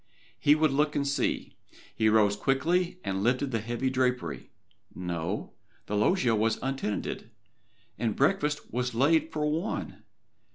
He would look and see. He rose quickly and lifted the heavy drapery. No the loggia was untenanted, and breakfast was laid for one!